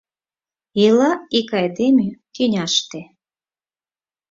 Ила ик айдеме тӱняште.